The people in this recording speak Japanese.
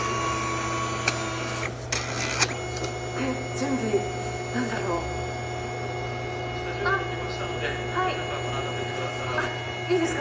準備何だろう？お待たせしました準備できたので中ご覧になってってください。いいですか？